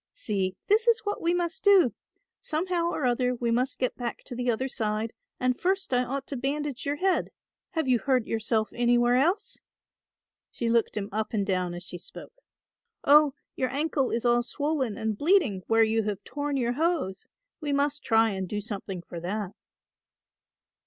"See this is what we must do. Somehow or other we must get back to the other side and first I ought to bandage your head. Have you hurt yourself anywhere else?" She looked him up and down as she spoke. "Oh, your ankle is all swollen and bleeding where you have torn your hose; we must try and do something for that."